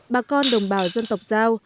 bà con đồng bào dân tộc giao